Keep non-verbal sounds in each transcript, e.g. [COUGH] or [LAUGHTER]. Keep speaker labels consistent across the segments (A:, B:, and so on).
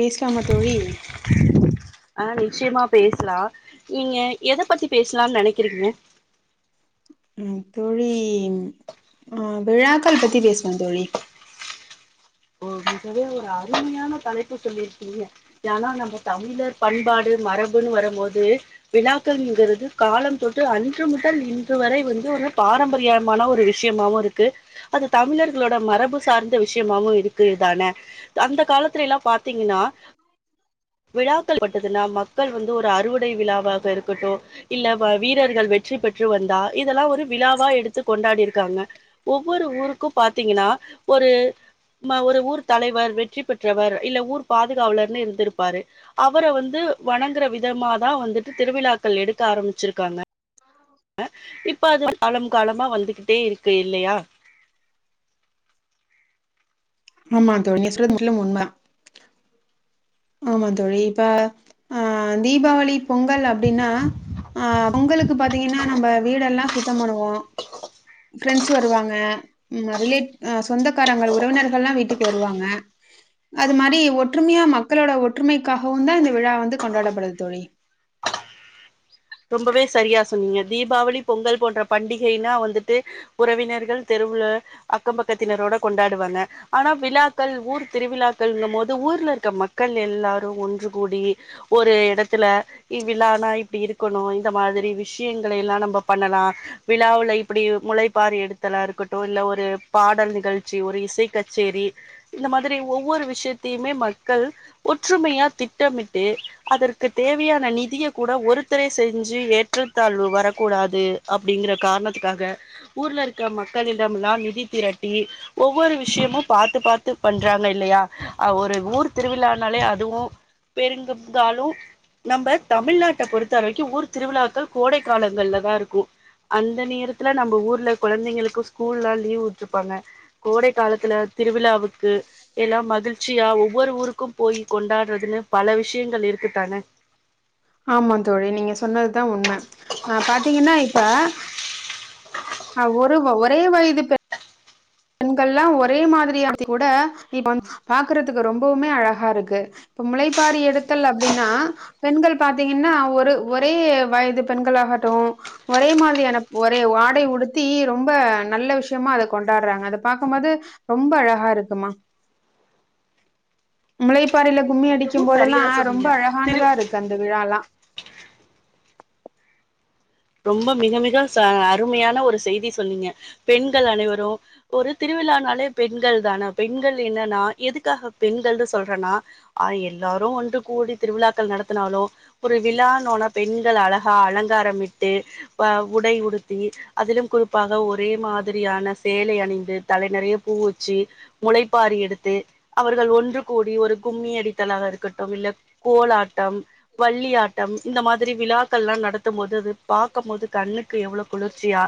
A: பேஸ்லாமா தோழி
B: ஆ நிச்யமா பேசுலா நீங்க எத பத்தி பேசலான நெனைக்கிறீங்க
A: ம் தோழி ஆ விழாக்கள் பத்தி பேஸ்லா தோழி
B: ஓகே தோழி ஒரு அருமையான தலைப்பு சொல்லிர்க்கீங்க ஏனா நம்ப தமிழர் பண்பாடு மரபுன்னு வரம்போது விழாக்கள்ங்கிறது காலம் தொட்டு அன்று முதல் இன்று வரை வந்து ஒரு பாரம்பரியமான ஒரு வி ஷ்யமாவு இருக்கு அது தமிழர்குளோட மரபு சார்ந்த விஷ்யமாவு இரு க்குதான அந்த காலத்துலேலா பாத்தீங்கினா விழாக்கள் பட்டதுனா மக்கள் வந்து ஒரு அறுவடை விழாவாக இருக்கட்டு இல்ல வ வீரர்கள் வெற்றி பெற்று வந்தா இதெல்லா ஒரு விழாவா எடுத்து கொண்டாடிருக்காங்க ஒவ்வொரு ஊருக்கு பாத்தீங்குனா ஒரு ம ஒரு ஊர் தலைவர் வெற்றி பெற்றவர் இல்ல ஊர் பாதுகாவலர்னு இர்ந்திருப்பாரு அவர வந்து வணங்குற விதமாதா வந்துட்டு திருவிழாக்கள் எடுக்க ஆரமிச்சிருக்காங்க அ இப்ப அது காலம் காலமா வந்துகிட்டே இருக்கு இல்லையா
A: ஆமா தோழி நீங்க சொல்றது முற்றிலும் உண்ம ஆமா தோழி இப்ப ஆ தீபாவளி பொங்கல் அப்டின்னா அ பொங்கலுக்கு பாத்தீங்கனா நம்ம வீடெல்லா சுத்தம் பண்ணுவோ ஃபிரெண்ஸ் வருவாங்க ம் ந ரிலேட் ஆ சொந்தக்காரங்கள் உறவினர்கள்லா வீட்டுக்கு வருவாங்க அது மாரி ஒற்றுமியா மக்களோட ஒற்றுமைக்காகவுந்தா இந்த விழா வந்து கொண்டாடப்படுது தோழி
B: ரொம்பவே சரியா சொன்னீங்க தீபாவளி பொங்கல் போன்ற பண்டிகைனா வந்துட்டு உறவினர்கள் தெருவுல அக்கம் பக்கத்தினரோட கொண்டாடுவாங்க ஆனா விழாக்கள் ஊர் திருவிழாக்கள்ங்கமோது ஊர்ல இருக்க மக்கள் எல்லாரு ஒன்று கூடி ஒரு எடத்துல இவ் விழானா இப்டி இரு க்குணு இந்த மாதிரி விஷியங்களேலா நம்ப பண்ணலா விழாவுல இப்பிடி முளைப்பாரி எடுத்தலா இருக்கட்டு இல்ல ஒரு பாடல் நிகழ்ச்சி ஒரு இசை கச்சேரி இந்த மாதிரி ஒவ்வொரு விஷ்யத்தியுமே மக்கள் ஒற்றுமையா திட்டமிட்டு அதற்கு தேவையான நிதிய கூட ஒரு த்தரே செஞ்சு ஏற்றத்தாழ்வு வரக்கூடாது அப்டிங்கிற கார்ணத்துக்காக ஊர்ல இருக்க மக்களிடம்லா நிதி திரட்டி ஒவ்வொரு விஷ்யமு பாத்து பாத்து பண்றாங்க இல்லையா அ ஒரு ஊர் திருவிழானாலே அதுவு பெருங்கந்தாலு நம்ப தமிழ்நாட்ட பொறுத்த இத்தனைக்கு ஊர் திருவிழாக்கள் கோடை காலங்கள்ல தா இருக்கு அந்த நேரத்துல நம்ம ஊர்ல கொழந்தைங்களுக்கு ஸ்கூல் க்ஷல்லா லீவ் உட்டுருப்பாங்க கோடை காலத்துல திருவிழாவுக்கு எல்லா மகிழ்ச்சியா ஒவ்வொரு ஊருக்கு போய் கொண்டாடுறதுன்னு பல விஷ்யங்கள் இருக்கு தான
A: ஆமா தோழி நீங்க சொன்னது தா உண்ம ஆ பாத்தீங்கன்னா இப்ப அ ஒரு ஒரே வயது பெ பெண்கள்லா ஒரே மாதிரியா [INAUDIBLE] கூட இ [INAUDIBLE] பாக்கறதுக்கு ரொம்பவுமே அழகாருக்கு இப்ப முளைப்பாரி எடுத்தல் அப்டின்னா பெண்கள் பாத்தீங்கன்னா ஒரு ஒரே வயது பெண்கள்லாகட்டு ஒரே மாதிரியான ஒரே ஆடை உடுத்தி ரொம்ப நல்ல விஷயமா அத கொண்டாடுறாங்க அத பாக்குபோது ரொம்ப அழகா இருக்குமா முளைப்பாரியில கும்மி அடிக்கு
B: மிகவும்
A: போதெல்லா
B: சரியா
A: ரொம்ப
B: சொன்னீங்க திரு
A: அழகானதா இருக்கு அந்த விழால
B: ரொம்ப மிக மிக ச அருமையான ஒரு செய்தி சொன்னீங்க பெண்கள் அனைவரு ஒரு திருவிழானாலே பெண்கள் தான பெண்கள் என்னன்னா எதுக்காக பெண்கள்னு சொல்றன்னா ஆ எல்லாரு ஒன்று கூடி திருவிழாக்கள் நடத்தனாலு ஒரு விழானோன பெண்கள் அழகா அலங்காரம் இட்டு அ உடை உடுத்தி அதிலும் குறிப்பாக ஒரே மாதிரியான சேலை அணிந்து தலை நெறைய பூ வச்சி முளைப்பாரி எடுத்து அவர்கள் ஒன்று கூடி ஒரு கும்மி அடித்தலாக இருக்கட்டும் இல்ல கோலாட்டம் வள்ளியாட்டம் இந்த மாரி விழாக்கள்லா நடத்தும் போது அது பாக்க போது கண்ணுக்கு எவ்ளோ குளிர்ச்சியா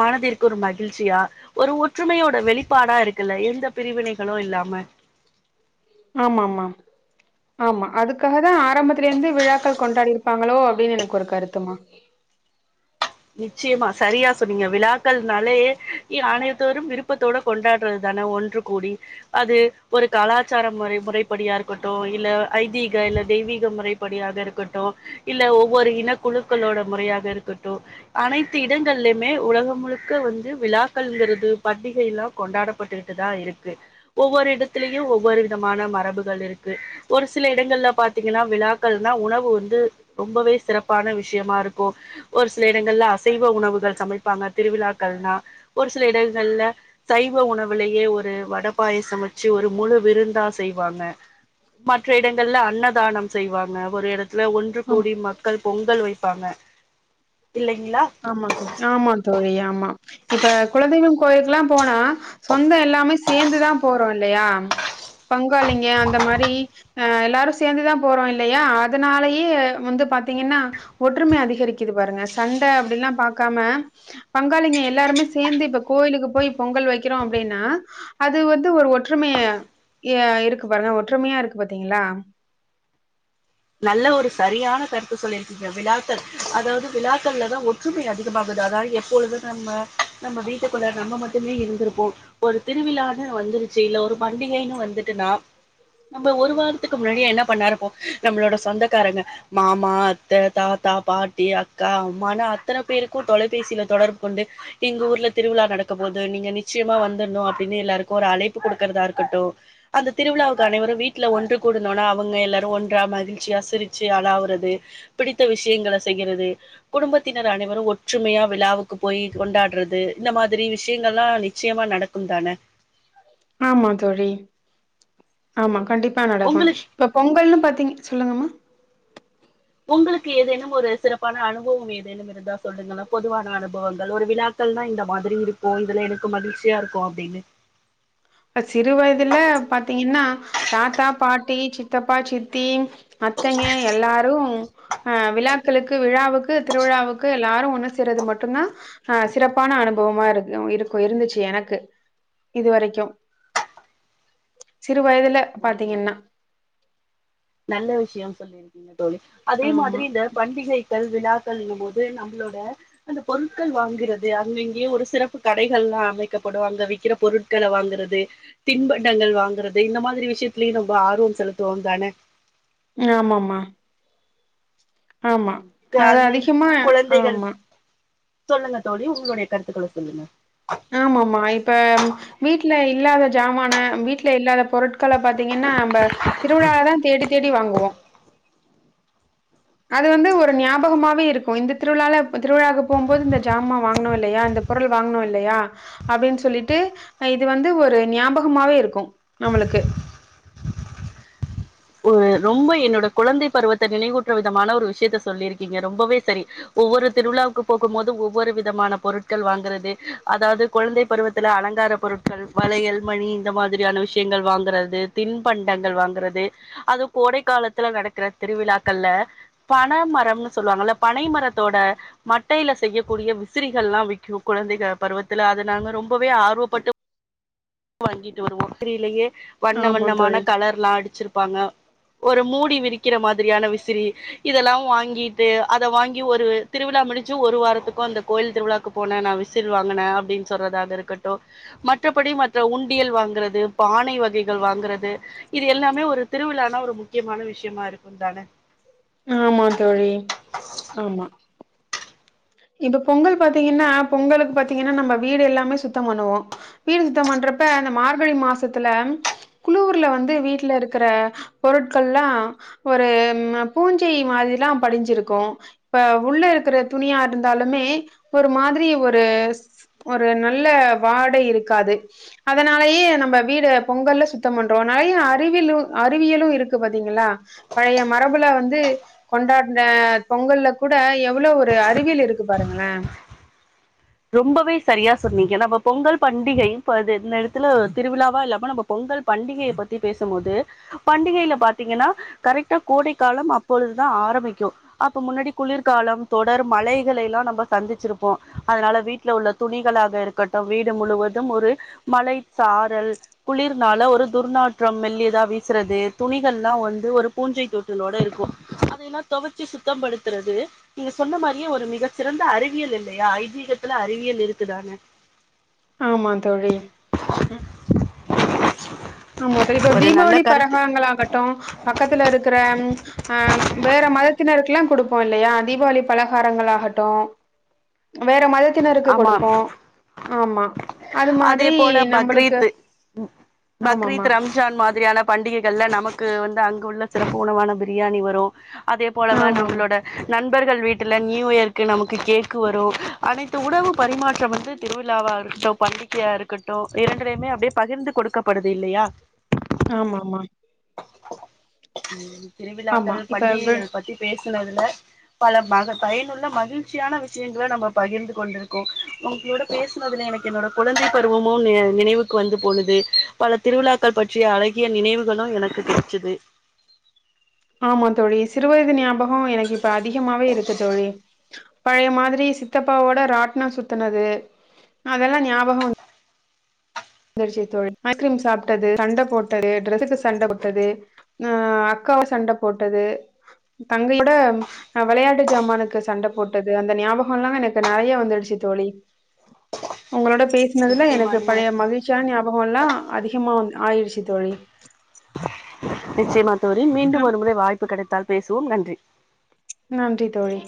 B: மனதிற்கு ஒரு மகிழ்ச்சியா ஒரு ஒற்றுமையோட வெளிப்பாடா இருக்குல்ல எந்த பிரிவினைகளு இல்லாம
A: ஆமாமா ஆமா அதுக்காக தா ஆரம்பத்திலருந்தே விழாக்கள் கொண்டாடிருப்பாங்களோ அப்டின்னு எனக்கு ஒரு கருத்துமா
B: நிச்சயமா சரியா சொன்னீங்க விழாக்கள்னாலே ஆனையத்தோரும் விருப்பத்தோட கொண்டாடுறது தான ஒன்று கூடி அது ஒரு கலாச்சார முறை முறைப்படியா இருக்கட்டு இல்ல ஐதீக இல்ல தெய்வீக முறை படியாக இருக்கட்டு இல்ல ஒவ்வொரு இனக்குழுக்களோட முறையாக இருக்கட்டு அனைத்து இடங்கள்யுமே உலகம் முழுக்க வந்து விழாக்கள்ங்குறது பண்டிகை எல்லா கொண்டாடப்பட்டுட்டுதா இருக்கு ஒவ்வொரு இடத்துலயு ஒவ்வொரு விதமான மரபுகள் இருக்கு ஒரு சில இடங்கள்ல பாத்தீங்கன்னா விழாக்கள்னா உணவு வந்து ரொம்பவே சிறப்பான விஷ்யமா இருக்கு ஒரு சில ங்கள்ல அசைவ உணவுகள் சமைப்பாங்க திருவிழாக்கள்னா ஒரு சில இடங்கள்ல சைவ உணவுலயே ஒரு வட பாயசே வச்சு ஒரு முழு விருந்தா செய்வாங்க மற்ற இடங்கள்ல அன்னதானம் செய்வாங்க ஒரு எடத்துல ஒன்று
A: ஆமா
B: கோடி மக்கள் பொங்கல் வைப்பாங்க இல்லைங்களா
A: ஆமா தோழி ஆமா தோழி ஆமா இப்ப குலதெய்வம் கோயுளுக்குல்லாம் போனா சொந்தோ எல்லாமே சேந்துதா போறோ இல்லையா பங்காளிங்க அந்த மாரி அ எல்லாரு சேந்துதா போறோ இல்லையா அதனாலேயே வந்து பாத்தீங்கன்னா ஒற்றும அதிகரிக்குது பாருங்க சண்ட அப்டிலா பாக்காம பங்காளிங்க எல்லாருமே சேந்தே இப்ப கோயிலுக்கு போய் பொங்கல் வைக்குறோ அப்டின்னா அது வந்து ஒரு ஒற்றுமைய ய இருக்கு பாருங்க ஒற்றுமையா இருக்கு பாத்தீங்களா
B: நல்ல ஒரு சரியான கருத்து சொல்லிருக்கீங்க விழாக்கள அதாது விழாக்கள்ல தா ஒ ற்றுமை அதிகமாகுது அதாவது எப்பொழுது நம்ம நம்ம வீட்டுக்குள்ள நம்ம மட்டுமே இருந்துருப்போ ஒரு திருவிழான்னு வந்துருச்சு இல்ல ஒரு பண்டிகைன்னு வந்துட்டுன்னா நம்ம ஒரு வாரத்துக்கு முன்னாடியே என்ன பண்ணா இருப்போ நம்மளோட சொந்தக்காரங்க மாமா அத்த தாத்தா பாட்டி அக்கா அம்மா னு அத்தன பேருக்கு தொலைபேசில தொடர்பு கொண்டு எங்க ஊர்ல திருவிழா நடக்கபோது நீங்க நிச்சயமா வந்தர்ணு அப்டின்னு எல்லாருக்கு ஒரு அழைப்பு குடுக்கறதா இருக்கட்டு அந்த திருவிழாவுக்கு அனைவரு வீட்ல ஒன்று கூடுனோனா அவங்க எல்லாரு ஒன்று ட்டா மகிழ்ச்சியா சிரிச்சு அளாவுறது பிடித்த விஷயங்கள செய்யறது குடும்பத்தினர் அனைவரு ஒற்றுமையா விழாவுக்கு போய் கொண்டாடுறது இந்த மாதிரி விஷயங்கள்லா நிச்சயமா நடக்க உந்தான
A: ஆமா தோழி ஆமா கண்டிப்பா நடக்கு
B: உங்களுக்கு
A: இப்போ பொங்கல்ன்னு பாத்தீங் சொல்லுங்கம்மா
B: உங்களுக்கு ஏதேனு ஒரு சிறப்பான அனுபவ ஏதேனு இருந்தா சொல்லுங்கள பொதுவான அனுபவங்கள் ஒரு விழாக்கள்னா இந்த மாதிரி இருக்கு இதுல எனக்கு மகிழ்ச்சியா இருக்கு அப்டின்னு
A: சிறு வயதுல பாத்தீங்கனா தாத்தா பாட்டி சித்தப்பா சித்தி அத்தைங்க எல்லாரு அ விழாக்களுக்கு விழாவுக்கு திருவிழாவுக்கு எல்லாரு ஒன்னு சேர்றது மட்டுதா ஆ சிறப்பான அனுபவமா இருக்கு இருக்கு இருந்துச்சு எனக்கு இது வரைக்கு சிறு வயதுல பாத்தீங்கன்னா
B: நல்ல விஷய சொல்லிருக்கீங்க தோழி அதே
A: ஆமா
B: மாதிரி இந்த பண்டிகை கள் விழாக்கள் இங்கு போது நம்ளோட அந்த பொருட்கள் வாங்குறது அங்கங்கேயோ ஒரு சிறப்பு கடைகள்ல்லா அமைக்கப்படு அங்க விக்குற பொருட் க்கள வாங்குறது தின்பண்டங்கள் வாங்குறது இந்த மாதிரி விஷயத்தலயு ரொம்ப ஆர்வ செலுத்துவோ தான
A: ஆமமா அது அதிகமா ஆமா
B: சொல்லுங்க தோழி உங்களுடைய கருத்துக்கள சொல்லுங்க
A: ஆமமா இப்ப வீட்ல இல்லாத ஜமான வீட்ல இல்லாத பொருட்கள பாத்தீங்கன்னா நம்ப திருவிழாலதான தேடி தேடி வாங்குவோ அது வந்து ஒரு ஞாபகமாவே இருக்கு இந்த திருவிழால திருவிழா போம்போது இந்த ஜாமா வாங்னோல்லயா அந்த பொருள் வாங்குனோல்லயா அப்படின் சொல்லிட்டு இது வந்து ஒரு ஞாபகமாவே இருக்கு நம்மளுக்கு
B: ஒரு ரொம்ப என்னோட குழந்தை பருவத்த நினைவூட்டுற விதமான ஒரு விஷயத்த சொல்லிருக்கீங்க ரொம்பவே சரி ஒவ்வொரு திருவிழாவுக்கு போகு போது ஒவ்வொரு விதமான பொருட்கள் வாங்குறது அதாது குழந்தை பருவத்துல அலங்கார பொருட்கள் வளையல் மணி இந்த மாதிரியான விஷயங்கள் வாங்குறது தின்பண்டங்கள் வாங்குறது அது கோடை காலத்துல நடக்குற திருவிழாக்கள்ல பனமரம்ன்னு சொல்லுவாங்கல்ல பனை மரத்தோட மட்டையில செய்யக்கூடிய விசிறிகள்ல்லா விக்கு குழந்தைக பருவத்துல அது நாங்க ரொம்பவே ஆர்வப்பட்டு வாங்கிட்டு வருவோ விசிறிலயே வண்ண
A: ஆமா
B: வண்ணமான
A: தோழி.
B: கலர்ல்லா அடிச்சிருப்பாங்க ஒரு மூடி விரிக்கிற மாதிரியான விசிறி இதெல்லா வாங்கிட்டு அத வாங்கி ஒரு திருவிழா முடிச்சு ஒரு வாரத்துக்கு அந்த கோயில் திருவிழாக்கு போன நா விசில் வாங்குன அப்பிடின் சொல்றதாக இருக்கட்டு. மற்றபடி மற்ற உண்டியல் வாங்குறது பானை வகைகள் வாங்குறது இது எல்லாமே ஒரு திருவிழானா ஒரு முக்கியமான விஷயமா இருக்குந்தான
A: ஆமா தோழி ஆமா இப்ப பொங்கல் பாத்தீங்கன்னா பொங்கலுக்கு பாத்தீங்கன்னா நம்ம வீடு எல்லாமே சுத்த பண்ணுவோ. வீ டு சுத்த பண்றப்ப இந்த மார்கழி மாசத்துல குளூர்ல வந்து வீட்ல இருக்குற பொருட்கள்லா ஒரு பூஞ்சை மாரிலா படிஞ்சிருக்கு. இப்ப உள்ள இருக்குற துணியா இருந்தாலுமே ஒரு மாதிரி ஒரு ஒரு நல்ல வாடை இருக்காது. அதனாலயே நம்ப வீடு பொங்கல்ல சுத்தோ பண்றோ. நறையா அறிவிலு அறிவியலு இருக்கு பாத்தீங்களா. பழைய மரபுல வந்து கொண்டாட்ன பொங்கல்ல கூட எவ்ளோ ஒரு அறிவியல் இரு க்கு பாருங்களே
B: ரொம்பவே சரியா சொன்னீங்க நம்ம பொங்கல் பண்டிகையு இப்போது இந்த எடத்துல திருவிழாவா இல்லாம நம்ம பொங்கல் பண்டிகைய பத்தி பேசுமோது பண்டிகையில பாத்தீங்கன்னா கரெக்டா கோடை கால அப்பொழுதுதா ஆரம்பிக்கு அப்ப முன்னாடி குளிர்கால தொடர் மழைகளை எல்லா நம்ம சந்திச்சிருப்போ அதனால வீட்ல உள்ள துணிகளாக இருக்கட்டு வீடு முழுவது ஒரு மழை சாரல் குளிர்னால ஒரு துர்நாற்ற மெல்லியதா வீசுறது துணிகள்ல்லா வந்து ஒரு பூஞ்சை தொட்டுனோட இருக்கு. அதெல்லா தெவச்சு சுத்தப்படுத்துறது நீங்க சொன்ன மாரியே ஒரு மிக சிறந்த அறிவியல் இல்லயா ஐ திகத்துல அறிவியல் இருக்குதான
A: ஆமா தோழி ம், ஆமா தோழி இப்ப
B: ஒரு நல்ல
A: தீபாவளி
B: கருத்து
A: பரகாங்களாகட்டு பக்கத்துல இருக்குற அ வேற மதத்தினருக்குலா குடுப்போ இல்லயா. தீபாவளி பலகாரங்கள் ஆகட்டு வேற மதத்தினருக்கு
B: ஆமா
A: கொடுப்போ. ஆமா. அது
B: அதே
A: மாதிரி
B: போல
A: நம்பளுக்கு
B: பக்ரீத்து. ம்.
A: ஆமாமா
B: பக்ரீத் ரம்ஜான் மாதிரியான பண்டிகைகள்ல நமக்கு வந்து அங்குள்ள சிறப்பு உணவான ப்ரியாணி வரு. அதே போலவா
A: ஆமாமா
B: நம்மளோட நண்பர்கள் வீட்டுல நியூ இயர்க்கு நமக்கு கேக்கு வரு. அனைத்து உணவு பரிமாற்றம் வந்து திருவிழாவா இருக்கட்டு பண்டிகையா இருக்கட்டு இரண்டுலையுமே அப்டியே பகிர்ந்து கொடுக்கபடுது இல்லையா.
A: ஆமா ஆமா
B: ம்
A: ஆமா
B: திருவிழாக்கள்
A: இப்ப வி
B: பண்டிகைகள் பத்தி பேசுனதுல பல மக பயனுள்ள மகிழ்ச்சியான விஷ்யங்கள நம்ப பகிர்ந்து கொ ண்டு இருக்கோ. உங்குளோட பேசுனதுல எனக்கு என்னோட குழந்தை பருவமு நி நினைவுக்கு வந்து போகுது. பல திருவிழாக்கள் பற்றிய அழகிய நினைவுகளு எனக்கு கெச்சுது
A: ஆமா தோழி. சிறுவயது ஞாபகொ எனக்கு இப்ப அதிகமாவே இருக்கு தோழி. பழைய மாதிரி சித்தப்பாவோட ராட்னோ சுத்துனது அதெல்லா ஞாபகோ வந் திர்ச்சு தோழி ஐஸ்கிரீம் சாப்ட்டது சண்ட போட்டது ட்ரெஸுக்கு சண்ட போட்டது நா அக்காவோ சண்ட போட்டது தங்கை ஓட ஆ வெளயாட்டு ஜமானுக்கு சண்ட போட்டது அந்த ஞாபகோ எல்லா எனக்கு நறையா வந்துடுச்சு தோழி. உங்களோட பேசுனதுல
B: நிச்சயமா
A: எனக்கு
B: நீங்க
A: பழைய மகிழ்ச்சியான ஞாபகோ எல்லா அதிகமா வந் ஆயிடுச்சு தோழி.
B: நிச்செய்மா தோழி. மீண்டு ஒரு முறை வாய்ப்பு கெடைத்தால் பேசுவோ. நன்றி.
A: நன்றி தோழி.